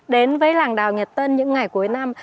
đến với làng đào nhật tân những ngày cuối năm